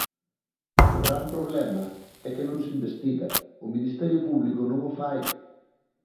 O gran problema é que non se investiga, o ministerio público non o fai.